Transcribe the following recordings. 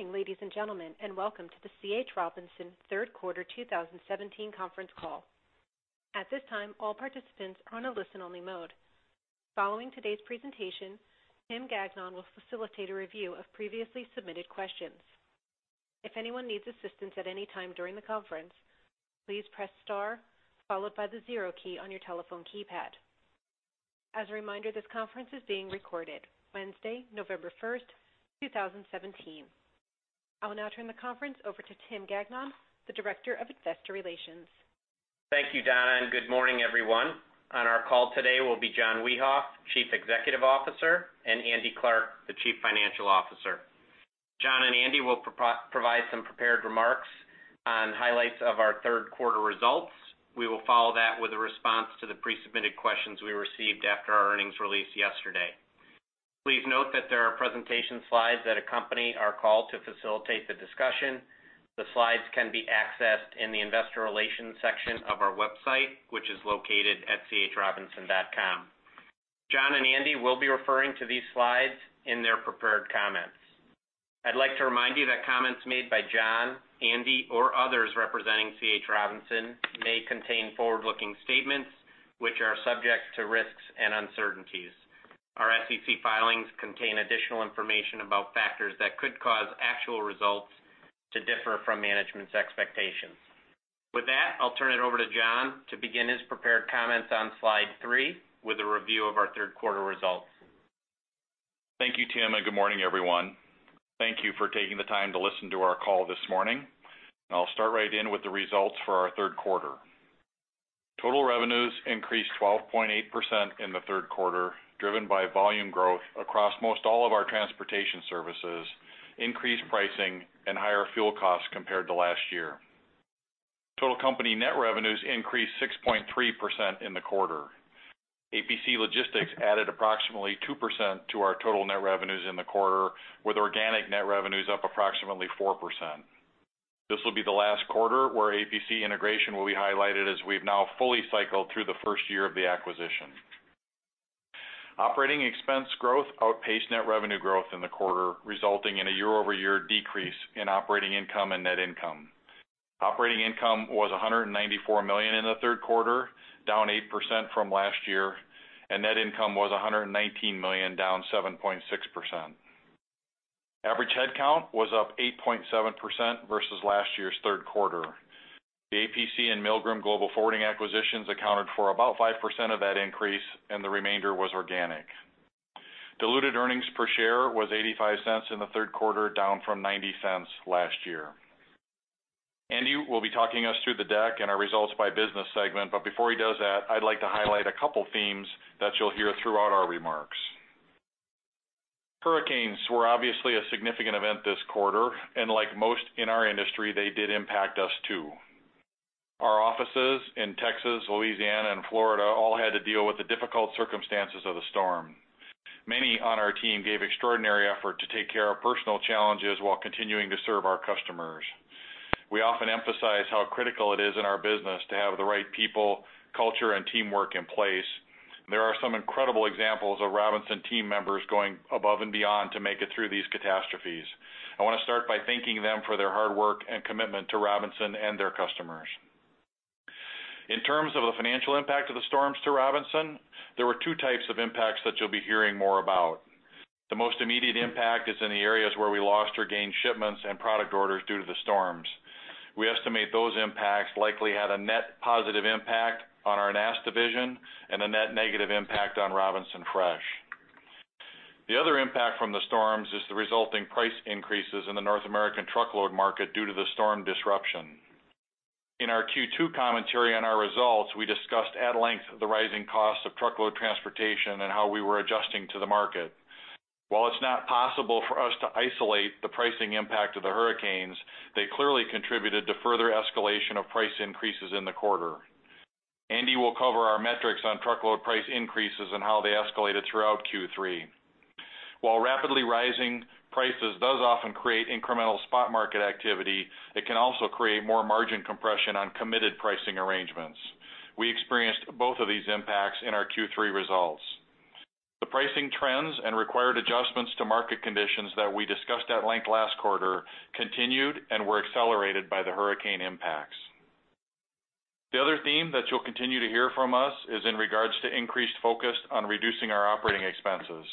Good morning, ladies and gentlemen, and welcome to the C.H. Robinson third quarter 2017 conference call. At this time, all participants are on a listen-only mode. Following today's presentation, Tim Gagnon will facilitate a review of previously submitted questions. If anyone needs assistance at any time during the conference, please press star followed by the zero key on your telephone keypad. As a reminder, this conference is being recorded Wednesday, November 1st, 2017. I will now turn the conference over to Tim Gagnon, the Director of Investor Relations. Thank you, Donna, and good morning, everyone. On our call today will be John Wiehoff, Chief Executive Officer, and Andrew Clarke, the Chief Financial Officer. John and Andrew will provide some prepared remarks on highlights of our third quarter results. We will follow that with a response to the pre-submitted questions we received after our earnings release yesterday. Please note that there are presentation slides that accompany our call to facilitate the discussion. The slides can be accessed in the investor relations section of our website, which is located at chrobinson.com. John and Andrew will be referring to these slides in their prepared comments. I'd like to remind you that comments made by John, Andrew, or others representing C.H. Robinson may contain forward-looking statements which are subject to risks and uncertainties. Our SEC filings contain additional information about factors that could cause actual results to differ from management's expectations. With that, I'll turn it over to John to begin his prepared comments on slide three with a review of our third quarter results. Thank you, Tim, and good morning, everyone. Thank you for taking the time to listen to our call this morning. I'll start right in with the results for our third quarter. Total revenues increased 12.8% in the third quarter, driven by volume growth across most all of our transportation services, increased pricing, and higher fuel costs compared to last year. Total company net revenues increased 6.3% in the quarter. APC Logistics added approximately 2% to our total net revenues in the quarter, with organic net revenues up approximately 4%. This will be the last quarter where APC integration will be highlighted, as we've now fully cycled through the first year of the acquisition. Operating expense growth outpaced net revenue growth in the quarter, resulting in a year-over-year decrease in operating income and net income. Operating income was $194 million in the third quarter, down 8% from last year, and net income was $119 million, down 7.6%. Average headcount was up 8.7% versus last year's third quarter. The APC and Milgram Global Forwarding acquisitions accounted for about 5% of that increase, and the remainder was organic. Diluted earnings per share was $0.85 in the third quarter, down from $0.90 last year. Andy Clarke will be talking us through the deck and our results by business segment. Before he does that, I'd like to highlight a couple themes that you'll hear throughout our remarks. Hurricanes were obviously a significant event this quarter, and like most in our industry, they did impact us too. Our offices in Texas, Louisiana, and Florida all had to deal with the difficult circumstances of the storm. Many on our team gave extraordinary effort to take care of personal challenges while continuing to serve our customers. We often emphasize how critical it is in our business to have the right people, culture, and teamwork in place. There are some incredible examples of Robinson team members going above and beyond to make it through these catastrophes. I want to start by thanking them for their hard work and commitment to Robinson and their customers. In terms of the financial impact of the storms to Robinson, there were two types of impacts that you'll be hearing more about. The most immediate impact is in the areas where we lost or gained shipments and product orders due to the storms. We estimate those impacts likely had a net positive impact on our NAST division and a net negative impact on Robinson Fresh. The other impact from the storms is the resulting price increases in the North American truckload market due to the storm disruption. In our Q2 commentary on our results, we discussed at length the rising cost of truckload transportation and how we were adjusting to the market. While it's not possible for us to isolate the pricing impact of the hurricanes, they clearly contributed to further escalation of price increases in the quarter. Andy Clarke will cover our metrics on truckload price increases and how they escalated throughout Q3. While rapidly rising prices does often create incremental spot market activity, it can also create more margin compression on committed pricing arrangements. We experienced both of these impacts in our Q3 results. The pricing trends and required adjustments to market conditions that we discussed at length last quarter continued and were accelerated by the hurricane impacts. The other theme that you'll continue to hear from us is in regards to increased focus on reducing our operating expenses.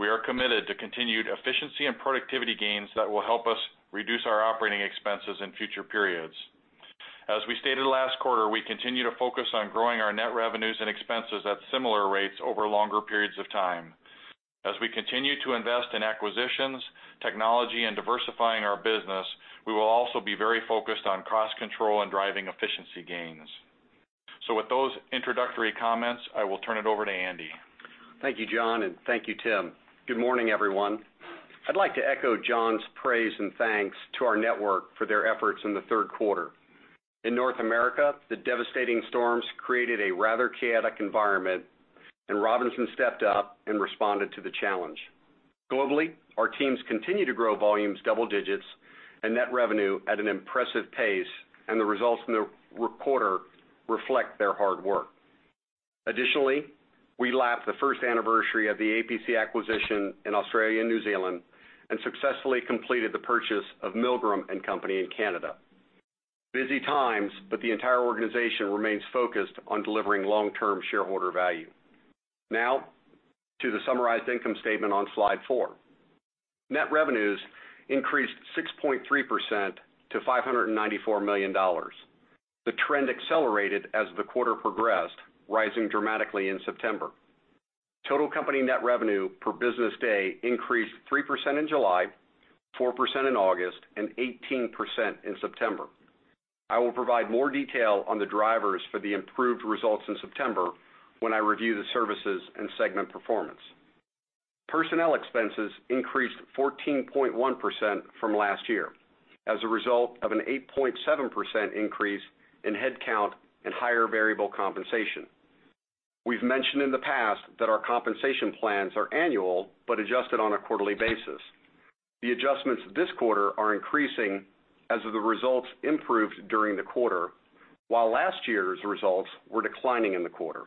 We are committed to continued efficiency and productivity gains that will help us reduce our operating expenses in future periods. As we stated last quarter, we continue to focus on growing our net revenues and expenses at similar rates over longer periods of time. As we continue to invest in acquisitions, technology, and diversifying our business, we will also be very focused on cost control and driving efficiency gains. With those introductory comments, I will turn it over to Andy Clarke. Thank you, John, and thank you, Tim. Good morning, everyone. I'd like to echo John's praise and thanks to our network for their efforts in the third quarter. In North America, the devastating storms created a rather chaotic environment. Robinson stepped up and responded to the challenge. Globally, our teams continue to grow volumes double digits and net revenue at an impressive pace. The results in the quarter reflect their hard work. Additionally, we lapped the first anniversary of the APC acquisition in Australia and New Zealand and successfully completed the purchase of Milgram & Company in Canada. Busy times, the entire organization remains focused on delivering long-term shareholder value. Now to the summarized income statement on slide four. Net revenues increased 6.3% to $594 million. The trend accelerated as the quarter progressed, rising dramatically in September. Total company net revenue per business day increased 3% in July, 4% in August, and 18% in September. I will provide more detail on the drivers for the improved results in September when I review the services and segment performance. Personnel expenses increased 14.1% from last year as a result of an 8.7% increase in headcount and higher variable compensation. We've mentioned in the past that our compensation plans are annual, adjusted on a quarterly basis. The adjustments this quarter are increasing as the results improved during the quarter, while last year's results were declining in the quarter.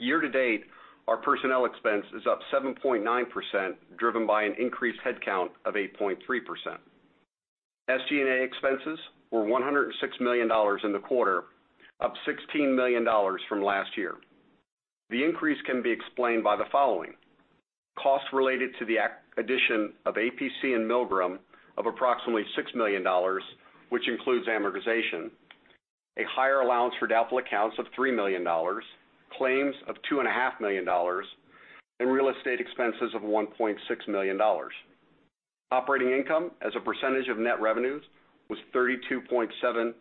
Year-to-date, our personnel expense is up 7.9%, driven by an increased headcount of 8.3%. SG&A expenses were $106 million in the quarter, up $16 million from last year. The increase can be explained by the following. Costs related to the acquisition of APC and Milgram of approximately $6 million, which includes amortization, a higher allowance for doubtful accounts of $3 million, claims of two and a half million dollars, and real estate expenses of $1.6 million. Operating income as a percentage of net revenues was 32.7%,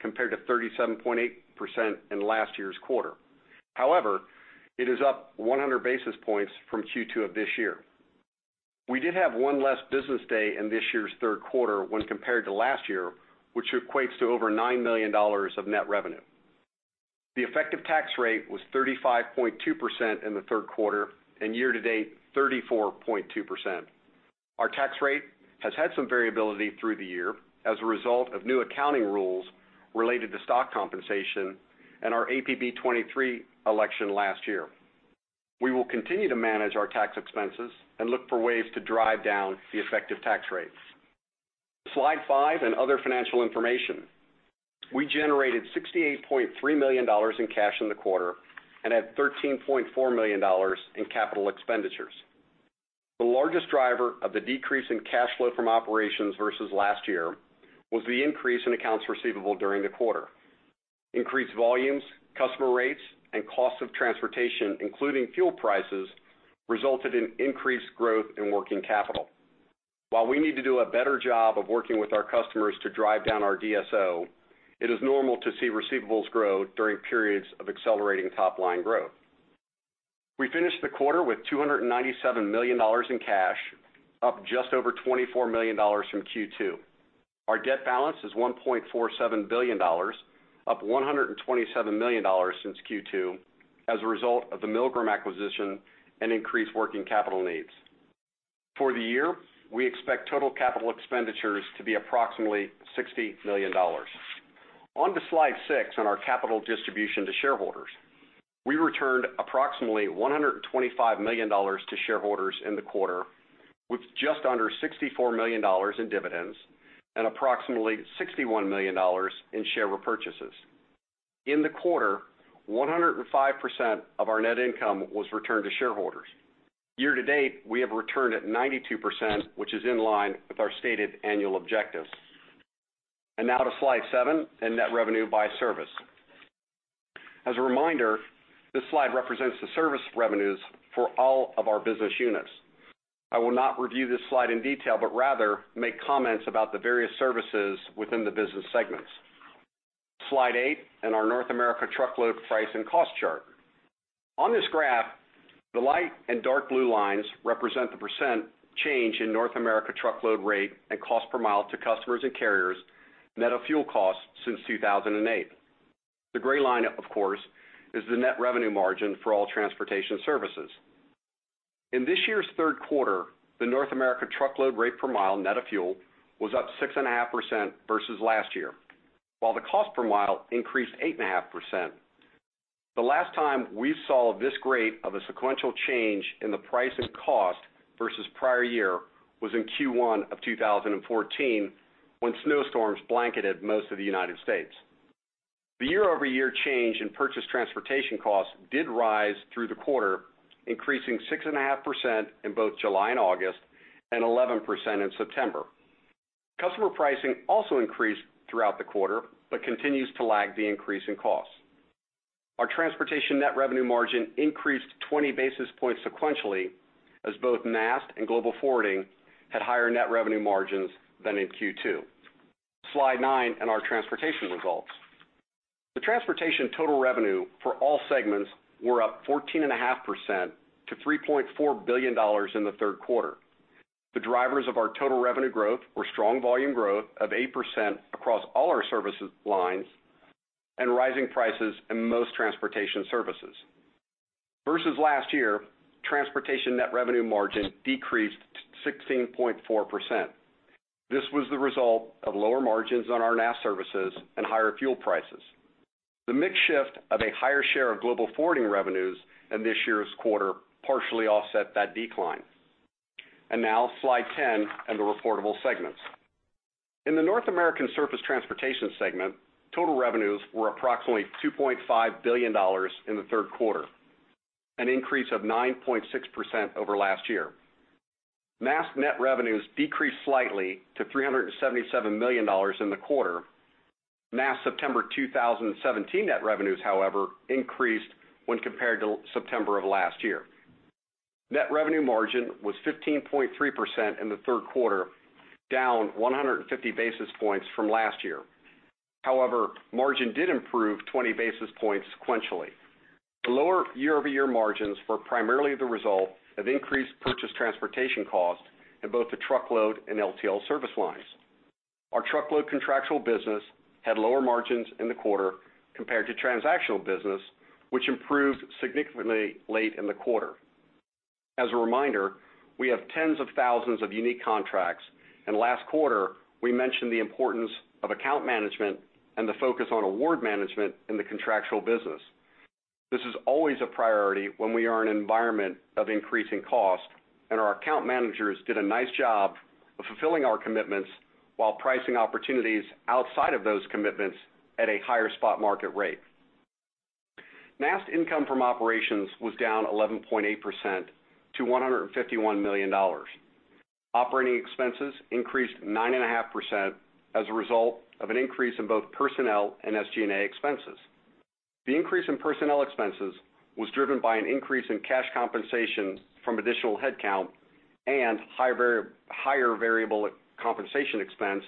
compared to 37.8% in last year's quarter. However, it is up 100 basis points from Q2 of this year. We did have one less business day in this year's third quarter when compared to last year, which equates to over $9 million of net revenue. The effective tax rate was 35.2% in the third quarter, and year-to-date, 34.2%. Our tax rate has had some variability through the year as a result of new accounting rules related to stock compensation and our APB 23 election last year. We will continue to manage our tax expenses and look for ways to drive down the effective tax rates. Slide five and other financial information. We generated $68.3 million in cash in the quarter and had $13.4 million in capital expenditures. The largest driver of the decrease in cash flow from operations versus last year was the increase in accounts receivable during the quarter. Increased volumes, customer rates, and costs of transportation, including fuel prices, resulted in increased growth in working capital. While we need to do a better job of working with our customers to drive down our DSO, it is normal to see receivables grow during periods of accelerating top-line growth. We finished the quarter with $297 million in cash, up just over $24 million from Q2. Our debt balance is $1.47 billion, up $127 million since Q2 as a result of the Milgram acquisition and increased working capital needs. For the year, we expect total capital expenditures to be approximately $60 million. On to slide six on our capital distribution to shareholders. We returned approximately $125 million to shareholders in the quarter, with just under $64 million in dividends and approximately $61 million in share repurchases. In the quarter, 105% of our net income was returned to shareholders. Year-to-date, we have returned at 92%, which is in line with our stated annual objectives. Now to slide seven and net revenue by service. As a reminder, this slide represents the service revenues for all of our business units. I will not review this slide in detail, but rather make comments about the various services within the business segments. Slide eight and our North America truckload price and cost chart. On this graph, the light and dark blue lines represent the % change in North America truckload rate and cost per mile to customers and carriers, net of fuel costs since 2008. The gray line, of course, is the net revenue margin for all transportation services. In this year's third quarter, the North America truckload rate per mile, net of fuel, was up 6.5% versus last year, while the cost per mile increased 8.5%. The last time we saw this great of a sequential change in the price and cost versus prior year was in Q1 of 2014, when snowstorms blanketed most of the U.S. The year-over-year change in purchase transportation costs did rise through the quarter, increasing 6.5% in both July and August and 11% in September. Customer pricing also increased throughout the quarter but continues to lag the increase in costs. Our transportation net revenue margin increased 20 basis points sequentially as both NAST and Global Forwarding had higher net revenue margins than in Q2. Slide nine and our transportation results. The transportation total revenue for all segments were up 14.5% to $3.4 billion in the third quarter. The drivers of our total revenue growth were strong volume growth of 8% across all our services lines and rising prices in most transportation services. Versus last year, transportation net revenue margin decreased to 16.4%. This was the result of lower margins on our NAST services and higher fuel prices. The mix shift of a higher share of Global Forwarding revenues in this year's quarter partially offset that decline. Now, slide 10, and the reportable segments. In the North American Surface Transportation segment, total revenues were approximately $2.5 billion in the third quarter, an increase of 9.6% over last year. NAST net revenues decreased slightly to $377 million in the quarter. NAST September 2017 net revenues, however, increased when compared to September of last year. Net revenue margin was 15.3% in the third quarter, down 150 basis points from last year. However, margin did improve 20 basis points sequentially. The lower year-over-year margins were primarily the result of increased purchase transportation costs in both the truckload and LTL service lines. Our truckload contractual business had lower margins in the quarter compared to transactional business, which improved significantly late in the quarter. As a reminder, we have tens of thousands of unique contracts, and last quarter we mentioned the importance of account management and the focus on award management in the contractual business. This is always a priority when we are in an environment of increasing cost. Our account managers did a nice job of fulfilling our commitments while pricing opportunities outside of those commitments at a higher spot market rate. NAST income from operations was down 11.8% to $151 million. Operating expenses increased 9.5% as a result of an increase in both personnel and SG&A expenses. The increase in personnel expenses was driven by an increase in cash compensation from additional headcount and higher variable compensation expense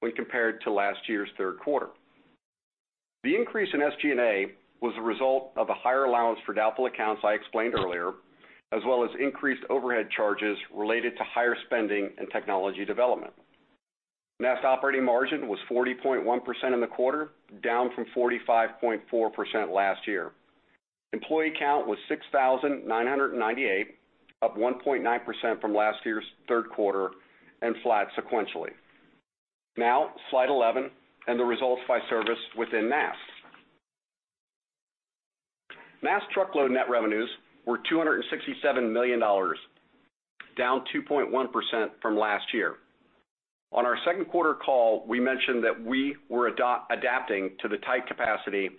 when compared to last year's third quarter. The increase in SG&A was the result of a higher allowance for doubtful accounts I explained earlier, as well as increased overhead charges related to higher spending and technology development. NAST operating margin was 40.1% in the quarter, down from 45.4% last year. Employee count was 6,998, up 1.9% from last year's third quarter and flat sequentially. Now, slide 11, the results by service within NAST. NAST truckload net revenues were $267 million, down 2.1% from last year. On our second quarter call, we mentioned that we were adapting to the tight capacity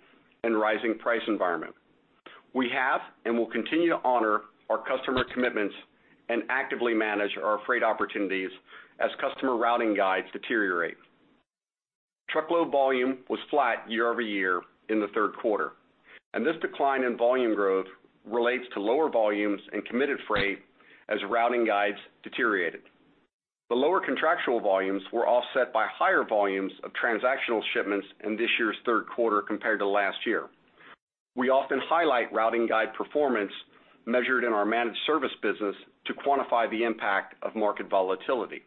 and rising price environment. We have and will continue to honor our customer commitments and actively manage our freight opportunities as customer routing guides deteriorate. Truckload volume was flat year-over-year in the third quarter. This decline in volume growth relates to lower volumes in committed freight as routing guides deteriorated. The lower contractual volumes were offset by higher volumes of transactional shipments in this year's third quarter compared to last year. We often highlight routing guide performance measured in our managed service business to quantify the impact of market volatility.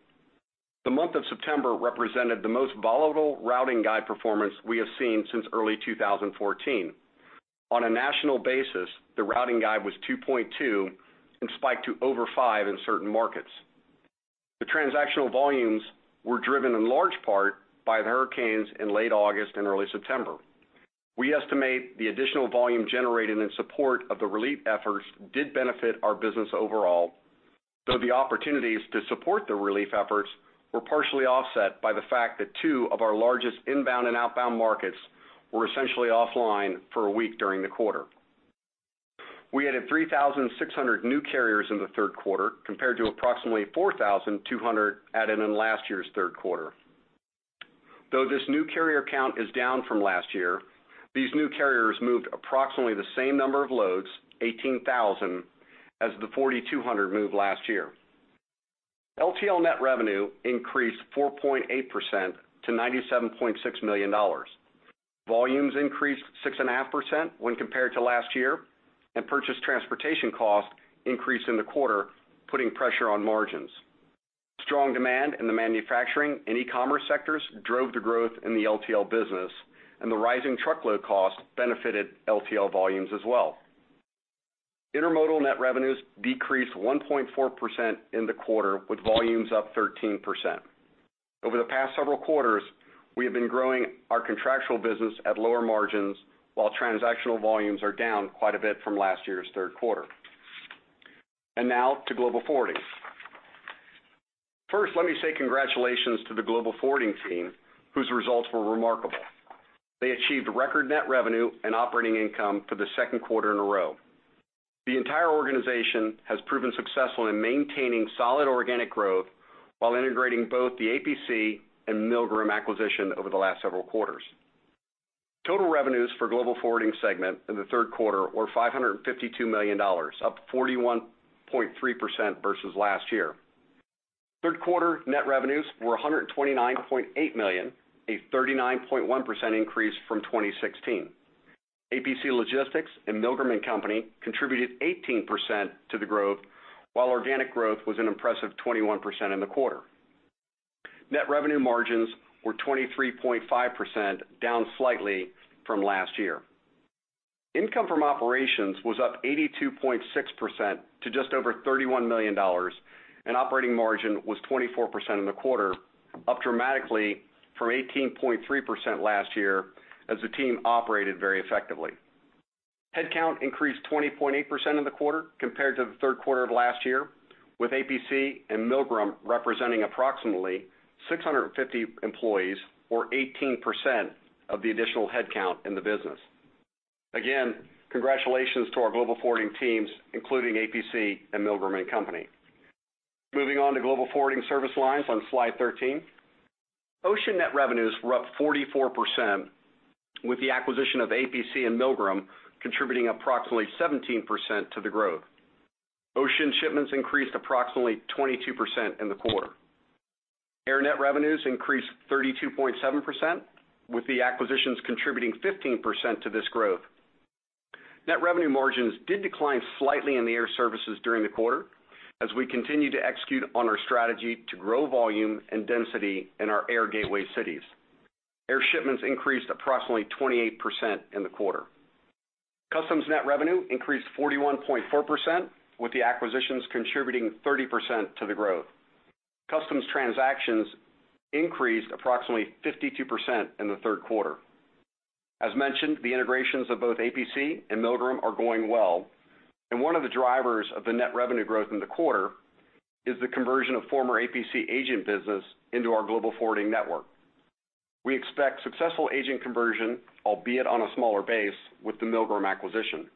The month of September represented the most volatile routing guide performance we have seen since early 2014. On a national basis, the routing guide was 2.2 and spiked to over five in certain markets. The transactional volumes were driven in large part by the hurricanes in late August and early September. We estimate the additional volume generated in support of the relief efforts did benefit our business overall, though the opportunities to support the relief efforts were partially offset by the fact that two of our largest inbound and outbound markets were essentially offline for a week during the quarter. We added 3,600 new carriers in the third quarter, compared to approximately 4,200 added in last year's third quarter. Though this new carrier count is down from last year, these new carriers moved approximately the same number of loads, 18,000, as the 4,200 moved last year. LTL net revenue increased 4.8% to $97.6 million. Volumes increased 6.5% when compared to last year, and purchase transportation costs increased in the quarter, putting pressure on margins. Strong demand in the manufacturing and e-commerce sectors drove the growth in the LTL business, and the rising truckload costs benefited LTL volumes as well. Intermodal net revenues decreased 1.4% in the quarter, with volumes up 13%. Over the past several quarters, we have been growing our contractual business at lower margins while transactional volumes are down quite a bit from last year's third quarter. Now to Global Forwarding. First, let me say congratulations to the Global Forwarding team, whose results were remarkable. They achieved record net revenue and operating income for the second quarter in a row. The entire organization has proven successful in maintaining solid organic growth while integrating both the APC and Milgram acquisition over the last several quarters. Total revenues for Global Forwarding segment in the third quarter were $552 million, up 41.3% versus last year. Third quarter net revenues were $129.8 million, a 39.1% increase from 2016. APC Logistics and Milgram & Company contributed 18% to the growth, while organic growth was an impressive 21% in the quarter. Net revenue margins were 23.5%, down slightly from last year. Income from operations was up 82.6% to just over $31 million, and operating margin was 24% in the quarter, up dramatically from 18.3% last year as the team operated very effectively. Headcount increased 20.8% in the quarter compared to the third quarter of last year, with APC and Milgram representing approximately 650 employees, or 18% of the additional headcount in the business. Again, congratulations to our Global Forwarding teams, including APC and Milgram & Company. Moving on to Global Forwarding service lines on slide 13. Ocean net revenues were up 44%, with the acquisition of APC and Milgram contributing approximately 17% to the growth. Ocean shipments increased approximately 22% in the quarter. Air net revenues increased 32.7%, with the acquisitions contributing 15% to this growth. Net revenue margins did decline slightly in the air services during the quarter, as we continue to execute on our strategy to grow volume and density in our air gateway cities. Air shipments increased approximately 28% in the quarter. Customs net revenue increased 41.4%, with the acquisitions contributing 30% to the growth. Customs transactions increased approximately 52% in the third quarter. As mentioned, the integrations of both APC and Milgram are going well, and one of the drivers of the net revenue growth in the quarter is the conversion of former APC agent business into our Global Forwarding network. We expect successful agent conversion, albeit on a smaller base, with the Milgram acquisition.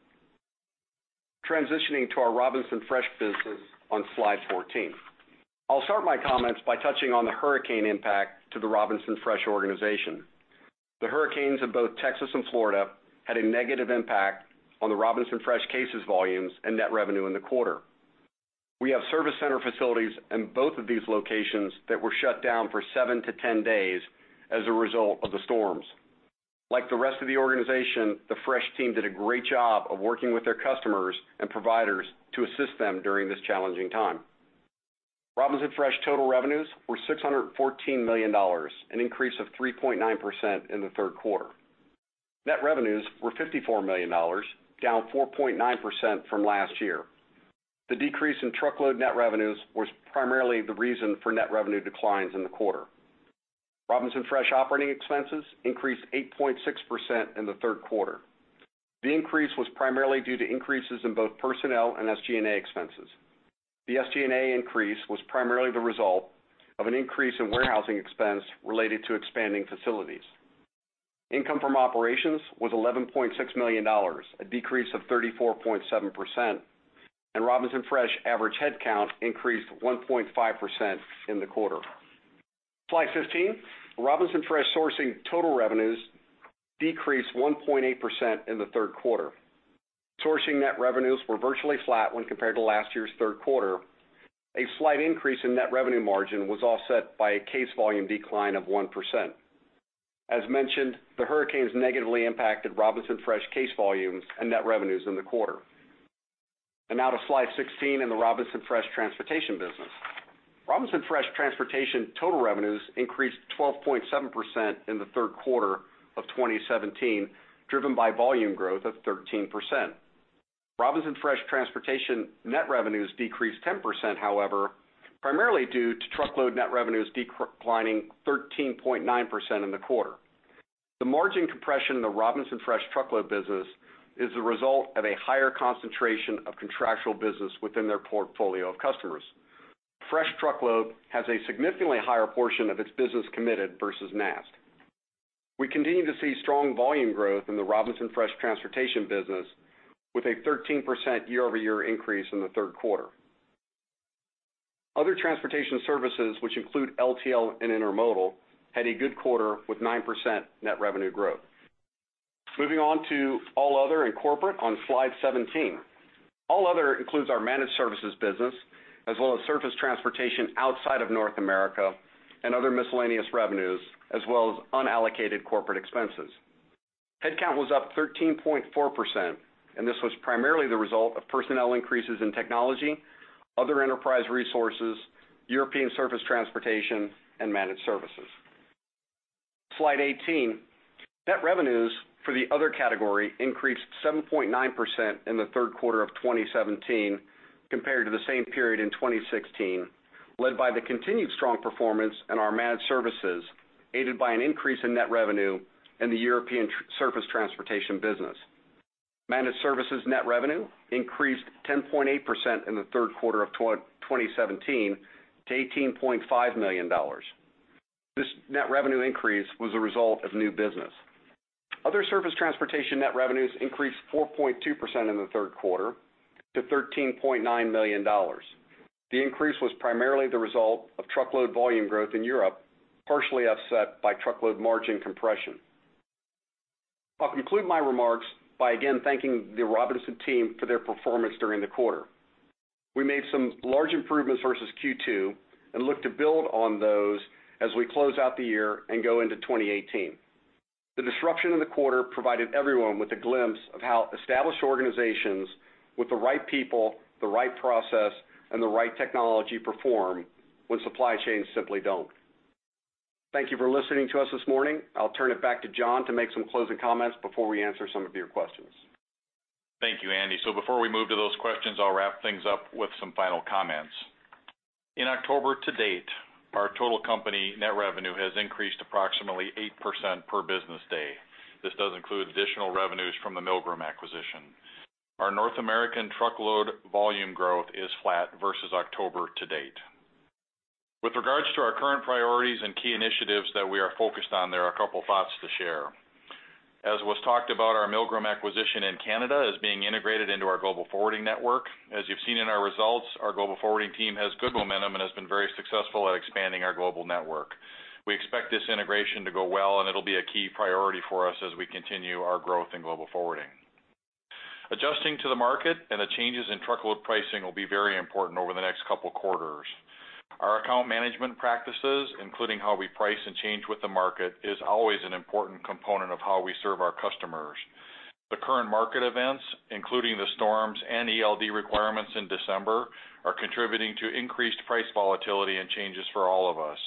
Transitioning to our Robinson Fresh business on slide 14. I'll start my comments by touching on the hurricane impact to the Robinson Fresh organization. The hurricanes in both Texas and Florida had a negative impact on the Robinson Fresh cases volumes and net revenue in the quarter. We have service center facilities in both of these locations that were shut down for seven to 10 days as a result of the storms. Like the rest of the organization, the Fresh team did a great job of working with their customers and providers to assist them during this challenging time. Robinson Fresh total revenues were $614 million, an increase of 3.9% in the third quarter. Net revenues were $54 million, down 4.9% from last year. The decrease in truckload net revenues was primarily the reason for net revenue declines in the quarter. Robinson Fresh operating expenses increased 8.6% in the third quarter. The increase was primarily due to increases in both personnel and SG&A expenses. The SG&A increase was primarily the result of an increase in warehousing expense related to expanding facilities. Income from operations was $11.6 million, a decrease of 34.7%. Robinson Fresh average headcount increased 1.5% in the quarter. Slide 15. Robinson Fresh sourcing total revenues decreased 1.8% in the third quarter. Sourcing net revenues were virtually flat when compared to last year's third quarter. A slight increase in net revenue margin was offset by a case volume decline of 1%. As mentioned, the hurricanes negatively impacted Robinson Fresh case volumes and net revenues in the quarter. Now to slide 16 and the Robinson Fresh transportation business. Robinson Fresh transportation total revenues increased 12.7% in the third quarter of 2017, driven by volume growth of 13%. Robinson Fresh transportation net revenues decreased 10%, however, primarily due to truckload net revenues declining 13.9% in the quarter. The margin compression in the Robinson Fresh truckload business is the result of a higher concentration of contractual business within their portfolio of customers. Fresh truckload has a significantly higher portion of its business committed versus NAST. We continue to see strong volume growth in the Robinson Fresh transportation business, with a 13% year-over-year increase in the third quarter. Other transportation services, which include LTL and intermodal, had a good quarter with 9% net revenue growth. Moving on to all other and corporate on slide 17. All other includes our managed services business as well as surface transportation outside of North America and other miscellaneous revenues, as well as unallocated corporate expenses. Headcount was up 13.4%. This was primarily the result of personnel increases in technology, other enterprise resources, European surface transportation, and managed services. Slide 18. Net revenues for the other category increased 7.9% in the third quarter of 2017 compared to the same period in 2016, led by the continued strong performance in our managed services, aided by an increase in net revenue in the European surface transportation business. Managed services net revenue increased 10.8% in the third quarter of 2017 to $18.5 million. This net revenue increase was a result of new business. Other surface transportation net revenues increased 4.2% in the third quarter to $13.9 million. The increase was primarily the result of truckload volume growth in Europe, partially offset by truckload margin compression. I'll conclude my remarks by again thanking the Robinson team for their performance during the quarter. We made some large improvements versus Q2 and look to build on those as we close out the year and go into 2018. The disruption in the quarter provided everyone with a glimpse of how established organizations with the right people, the right process, and the right technology perform when supply chains simply don't. Thank you for listening to us this morning. I'll turn it back to John to make some closing comments before we answer some of your questions. Thank you, Andy. Before we move to those questions, I'll wrap things up with some final comments. In October to date, our total company net revenue has increased approximately 8% per business day. This does include additional revenues from the Milgram acquisition. Our North American truckload volume growth is flat versus October to date. With regards to our current priorities and key initiatives that we are focused on, there are a couple thoughts to share. As was talked about, our Milgram acquisition in Canada is being integrated into our global forwarding network. As you've seen in our results, our global forwarding team has good momentum and has been very successful at expanding our global network. We expect this integration to go well, and it'll be a key priority for us as we continue our growth in global forwarding. Adjusting to the market and the changes in truckload pricing will be very important over the next couple of quarters. Our account management practices, including how we price and change with the market, is always an important component of how we serve our customers. The current market events, including the storms and ELD requirements in December, are contributing to increased price volatility and changes for all of us.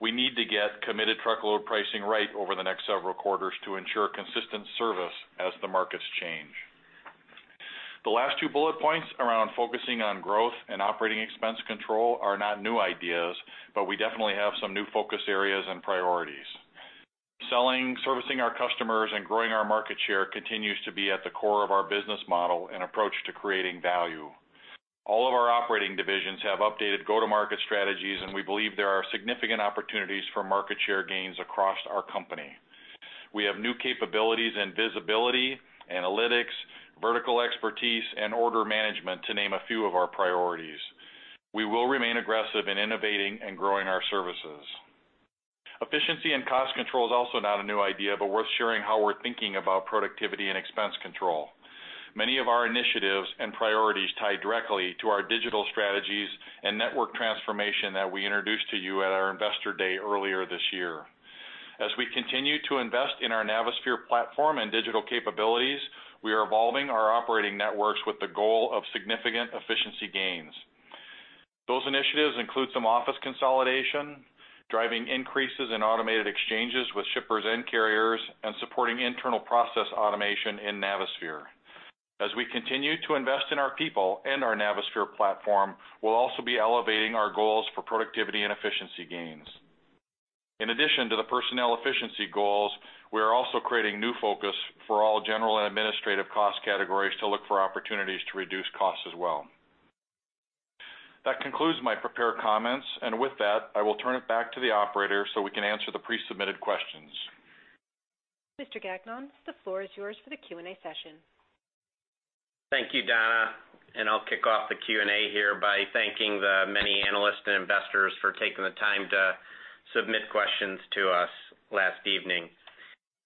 We need to get committed truckload pricing right over the next several quarters to ensure consistent service as the markets change. The last two bullet points around focusing on growth and operating expense control are not new ideas, but we definitely have some new focus areas and priorities. Selling, servicing our customers, and growing our market share continues to be at the core of our business model and approach to creating value. All of our operating divisions have updated go-to-market strategies. We believe there are significant opportunities for market share gains across our company. We have new capabilities and visibility, analytics, vertical expertise, and order management to name a few of our priorities. We will remain aggressive in innovating and growing our services. Efficiency and cost control is also not a new idea, but worth sharing how we're thinking about productivity and expense control. Many of our initiatives and priorities tie directly to our digital strategies and network transformation that we introduced to you at our investor day earlier this year. As we continue to invest in our Navisphere platform and digital capabilities, we are evolving our operating networks with the goal of significant efficiency gains. Those initiatives include some office consolidation, driving increases in automated exchanges with shippers and carriers, and supporting internal process automation in Navisphere. As we continue to invest in our people and our Navisphere platform, we'll also be elevating our goals for productivity and efficiency gains. In addition to the personnel efficiency goals, we are also creating new focus for all general and administrative cost categories to look for opportunities to reduce costs as well. That concludes my prepared comments. With that, I will turn it back to the operator so we can answer the pre-submitted questions. Mr. Gagnon, the floor is yours for the Q&A session. Thank you, Donna. I'll kick off the Q&A here by thanking the many analysts and investors for taking the time to submit questions to us last evening.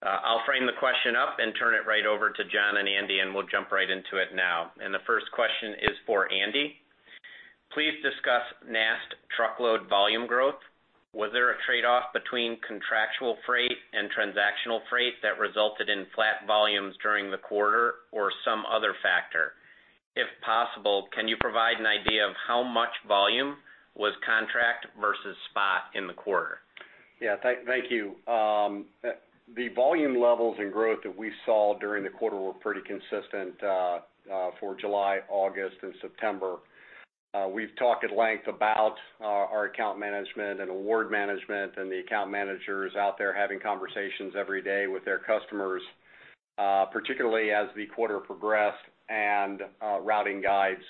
I'll frame the question up and turn it right over to John and Andy, we'll jump right into it now. The first question is for Andy. Please discuss NAST truckload volume growth. Was there a trade-off between contractual freight and transactional freight that resulted in flat volumes during the quarter or some other factor? If possible, can you provide an idea of how much volume was contract versus spot in the quarter? Yeah. Thank you. The volume levels and growth that we saw during the quarter were pretty consistent, for July, August, and September. We've talked at length about our account management and award management and the account managers out there having conversations every day with their customers, particularly as the quarter progressed and routing guides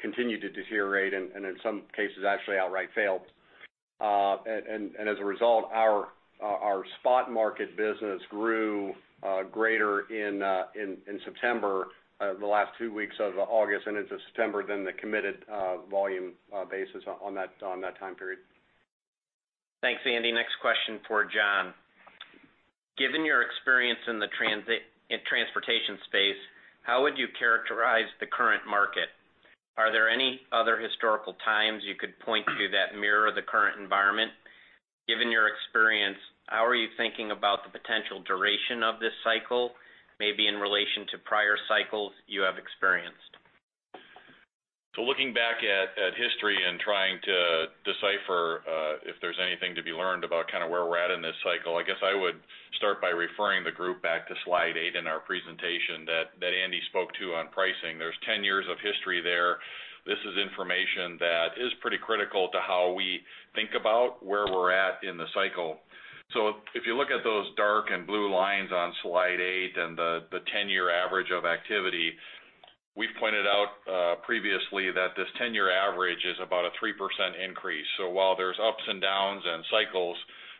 continued to deteriorate, in some cases actually outright failed. As a result, our spot market business grew greater in September, the last two weeks of August and into September than the committed volume basis on that time period. Thanks, Andy. Next question for John. Given your experience in the transportation space, how would you characterize the current market? Are there any other historical times you could point to that mirror the current environment? Given your experience, how are you thinking about the potential duration of this cycle, maybe in relation to prior cycles you have experienced? Looking back at history and trying to decipher if there is anything to be learned about kind of where we are at in this cycle, I guess I would start by referring the group back to slide eight in our presentation that Andy spoke to on pricing. There is 10 years of history there. This is information that is pretty critical to how we think about where we are at in the cycle. If you look at those dark and blue lines on slide eight and the 10-year average of activity, we have pointed out previously that this 10-year average is about a 3% increase. While there is ups and downs and cycles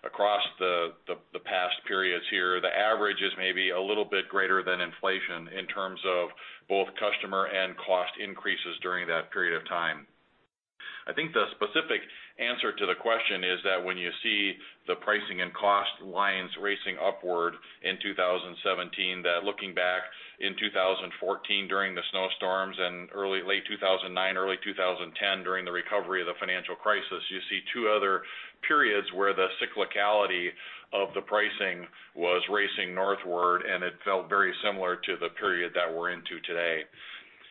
across the past periods here, the average is maybe a little bit greater than inflation in terms of both customer and cost increases during that period of time. I think the specific answer to the question is that when you see the pricing and cost lines racing upward in 2017, that looking back in 2014 during the snowstorms and late 2009, early 2010 during the recovery of the financial crisis, you see two other periods where the cyclicality of the pricing was racing northward, and it felt very similar to the period that we are into today.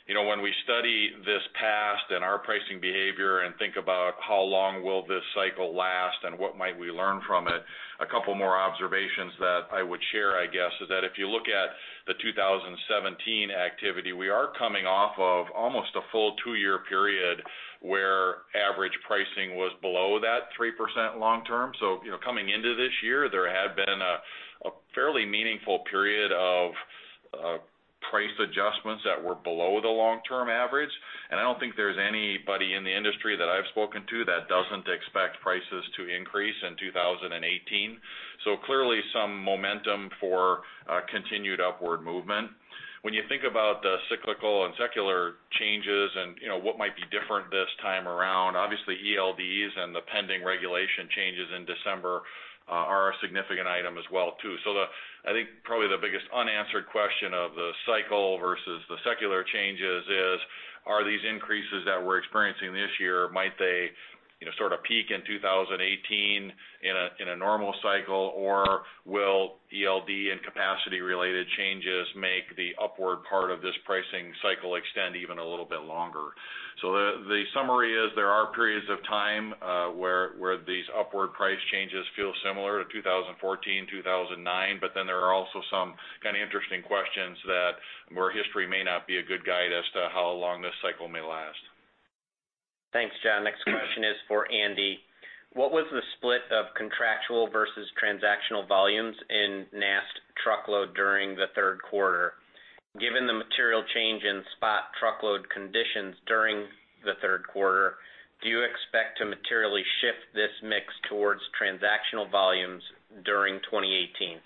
When we study this past and our pricing behavior and think about how long will this cycle last and what might we learn from it, a couple more observations that I would share, I guess, is that if you look at the 2017 activity, we are coming off of almost a full two-year period where average pricing was below that 3% long-term. Coming into this year, there had been a fairly meaningful period of price adjustments that were below the long-term average, and I do not think there is anybody in the industry that I have spoken to that does not expect prices to increase in 2018. Clearly, some momentum for a continued upward movement. When you think about the cyclical and secular changes and what might be different this time around, obviously ELDs and the pending regulation changes in December are a significant item as well too. I think probably the biggest unanswered question of the cycle versus the secular changes is, are these increases that we are experiencing this year, might they sort of peak in 2018 in a normal cycle, or will ELD and capacity-related changes make the upward part of this pricing cycle extend even a little bit longer? The summary is there are periods of time where these upward price changes feel similar to 2014, 2009, there are also some kind of interesting questions where history may not be a good guide as to how long this cycle may last. Thanks, John. Next question is for Andy. What was the split of contractual versus transactional volumes in NAST truckload during the third quarter? Given the material change in spot truckload conditions during the third quarter, do you expect to materially shift this mix towards transactional volumes during 2018?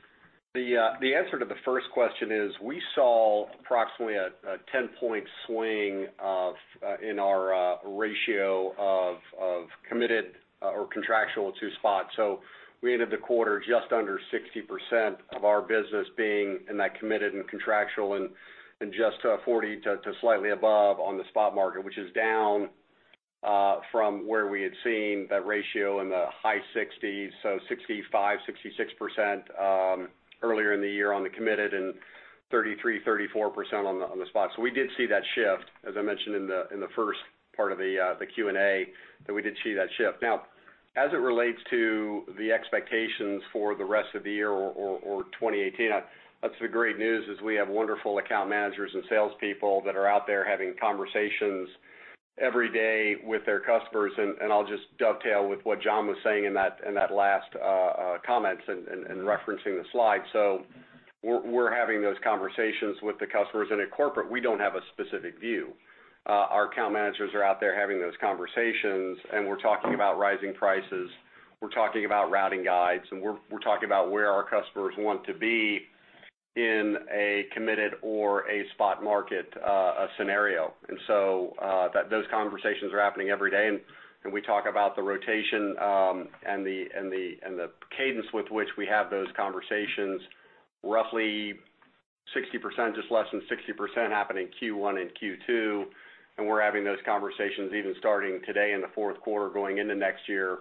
The answer to the first question is we saw approximately a 10-point swing in our ratio of committed or contractual to spot. We ended the quarter just under 60% of our business being in that committed and contractual, and just 40 to slightly above on the spot market, which is down from where we had seen the ratio in the high 60s, 65%, 66% earlier in the year on the committed, and 33%, 34% on the spot. We did see that shift, as I mentioned in the first part of the Q&A, that we did see that shift. Now, as it relates to the expectations for the rest of the year or 2018, that's the great news is we have wonderful account managers and salespeople that are out there having conversations every day with their customers, and I'll just dovetail with what John was saying in that last comments and referencing the slide. We're having those conversations with the customers, and at corporate, we don't have a specific view. Our account managers are out there having those conversations, and we're talking about rising prices. We're talking about routing guides, and we're talking about where our customers want to be in a committed or a spot market scenario. Those conversations are happening every day, and we talk about the rotation, and the cadence with which we have those conversations. Roughly 60%, just less than 60% happen in Q1 and Q2, and we're having those conversations even starting today in the fourth quarter going into next year,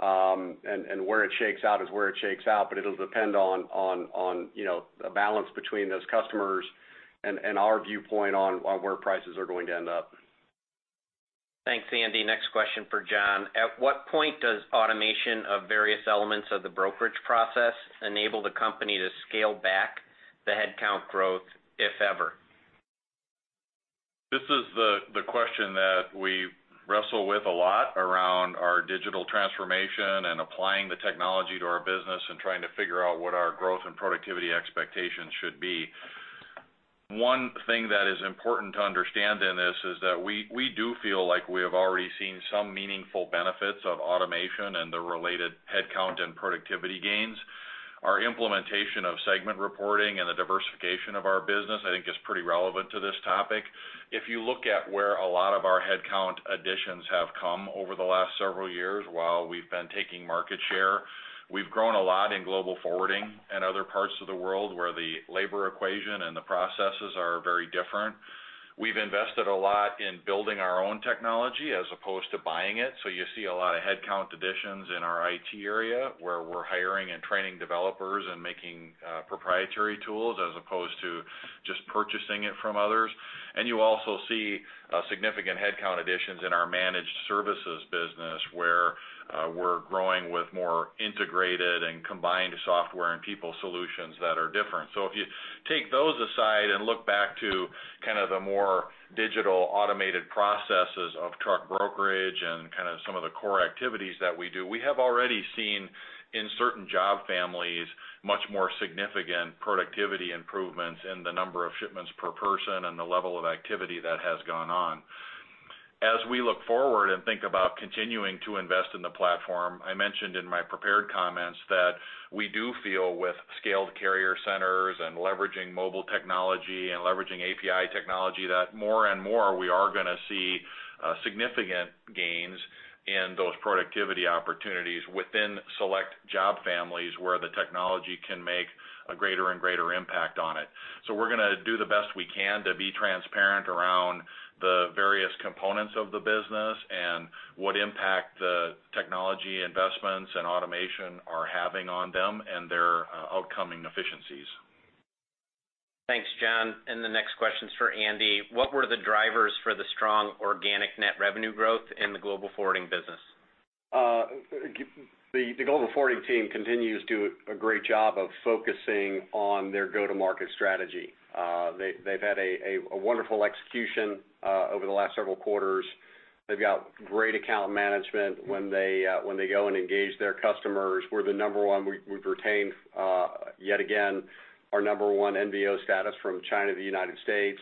and where it shakes out is where it shakes out. It'll depend on a balance between those customers and our viewpoint on where prices are going to end up. Thanks, Andy. Next question for John. At what point does automation of various elements of the brokerage process enable the company to scale back the headcount growth, if ever? This is the question that we wrestle with a lot around our digital transformation and applying the technology to our business and trying to figure out what our growth and productivity expectations should be. One thing that is important to understand in this is that we do feel like we have already seen some meaningful benefits of automation and the related headcount and productivity gains. Our implementation of segment reporting and the diversification of our business, I think is pretty relevant to this topic. If you look at where a lot of our headcount additions have come over the last several years while we've been taking market share, we've grown a lot in global forwarding and other parts of the world where the labor equation and the processes are very different. We've invested a lot in building our own technology as opposed to buying it. You see a lot of headcount additions in our IT area where we're hiring and training developers and making proprietary tools as opposed to just purchasing it from others. You also see significant headcount additions in our managed services business, where we're growing with more integrated and combined software and people solutions that are different. If you take those aside and look back to kind of the more digital automated processes of truck brokerage and kind of some of the core activities that we do, we have already seen in certain job families much more significant productivity improvements in the number of shipments per person and the level of activity that has gone on. As we look forward and think about continuing to invest in the platform, I mentioned in my prepared comments that we do feel with scaled carrier centers and leveraging mobile technology and leveraging API technology, that more and more we are going to see significant gains in those productivity opportunities within select job families where the technology can make a greater and greater impact on it. We're going to do the best we can to be transparent around the various components of the business, and what impact the technology investments and automation are having on them and their outcoming efficiencies. Thanks, John. The next question's for Andy. What were the drivers for the strong organic net revenue growth in the global forwarding business? The global forwarding team continues to do a great job of focusing on their go-to-market strategy. They've had a wonderful execution over the last several quarters. They've got great account management when they go and engage their customers. We're the number one. We've retained, yet again, our number one NVO status from China to the United States.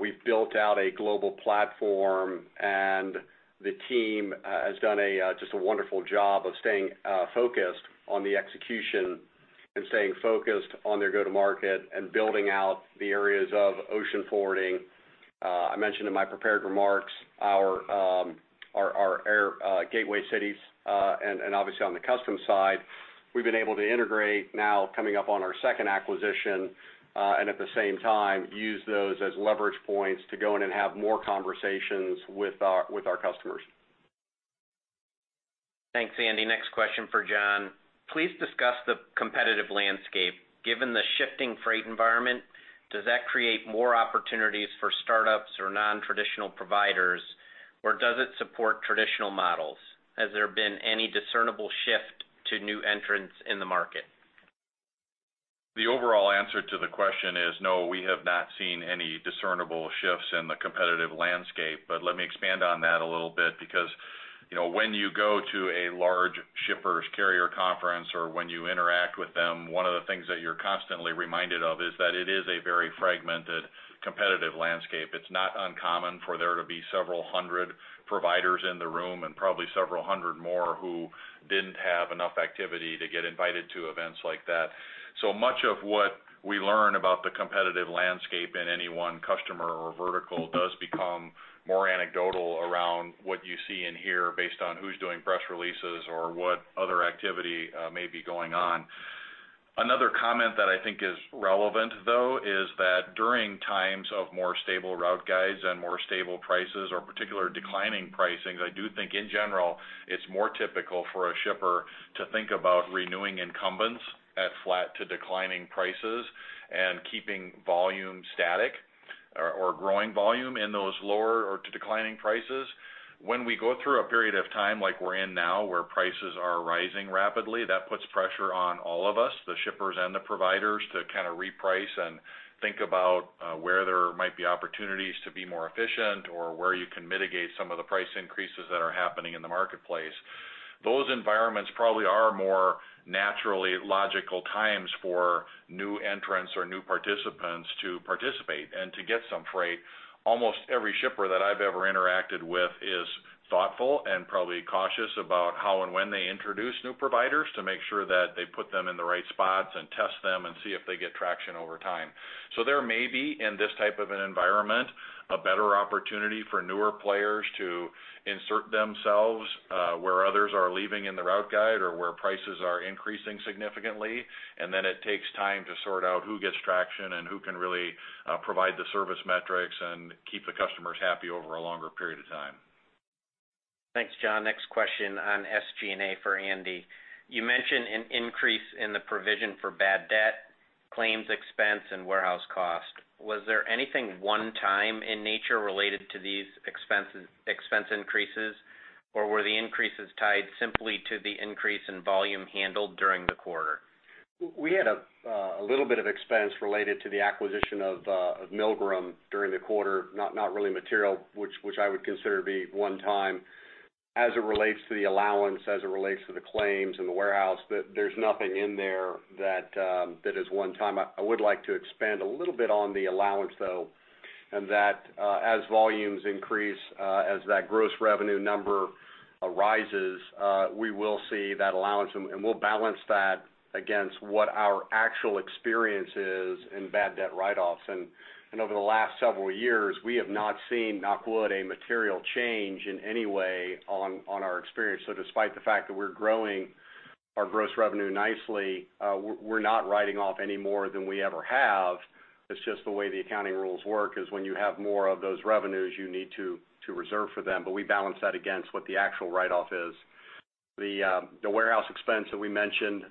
We've built out a global platform, the team has done just a wonderful job of staying focused on the execution and staying focused on their go-to-market and building out the areas of ocean forwarding. I mentioned in my prepared remarks, our air gateway cities, and obviously on the customs side, we've been able to integrate now coming up on our second acquisition. At the same time, use those as leverage points to go in and have more conversations with our customers. Thanks, Andy. Next question for John. Please discuss the competitive landscape. Given the shifting freight environment, does that create more opportunities for startups or non-traditional providers, or does it support traditional models? Has there been any discernible shift to new entrants in the market? The overall answer to the question is no, we have not seen any discernible shifts in the competitive landscape. Let me expand on that a little bit because when you go to a large shippers carrier conference or when you interact with them, one of the things that you're constantly reminded of is that it is a very fragmented, competitive landscape. It's not uncommon for there to be several hundred providers in the room and probably several hundred more who didn't have enough activity to get invited to events like that. Much of what we learn about the competitive landscape in any one customer or vertical does become more anecdotal around what you see in here based on who's doing press releases or what other activity may be going on. Another comment that I think is relevant, though, is that during times of more stable route guides and more stable prices or particular declining pricing, I do think in general, it's more typical for a shipper to think about renewing incumbents at flat to declining prices and keeping volume static or growing volume in those lower or to declining prices. When we go through a period of time like we're in now, where prices are rising rapidly, that puts pressure on all of us, the shippers and the providers, to kind of reprice and think about where there might be opportunities to be more efficient, or where you can mitigate some of the price increases that are happening in the marketplace. Those environments probably are more naturally logical times for new entrants or new participants to participate and to get some freight. Almost every shipper that I've ever interacted with is thoughtful and probably cautious about how and when they introduce new providers to make sure that they put them in the right spots and test them and see if they get traction over time. There may be, in this type of an environment, a better opportunity for newer players to insert themselves where others are leaving in the route guide or where prices are increasing significantly. Then it takes time to sort out who gets traction and who can really provide the service metrics and keep the customers happy over a longer period of time. Thanks, John. Next question on SG&A for Andy. You mentioned an increase in the provision for bad debt, claims expense, and warehouse cost. Was there anything one time in nature related to these expense increases, or were the increases tied simply to the increase in volume handled during the quarter? We had a little bit of expense related to the acquisition of Milgram during the quarter, not really material, which I would consider be one time. As it relates to the allowance, as it relates to the claims and the warehouse, there's nothing in there that is one time. I would like to expand a little bit on the allowance, though, as volumes increase, as that gross revenue number rises, we will see that allowance, and we'll balance that against what our actual experience is in bad debt write-offs. Over the last several years, we have not seen, knock on wood, a material change in any way on our experience. Despite the fact that we're growing our gross revenue nicely, we're not writing off any more than we ever have. It's just the way the accounting rules work, is when you have more of those revenues, you need to reserve for them. We balance that against what the actual write-off is. The warehouse expense that we mentioned,